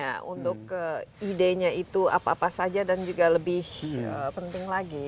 nah untuk idenya itu apa apa saja dan juga lebih penting lagi